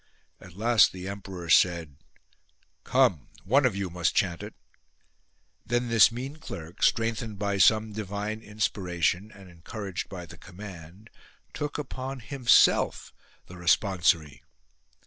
At last the emperor said :" Come, one of you must chant it." Then this mean clerk, strengthened by some divine inspiration, and encouraged by the command, took upon himself the responsory.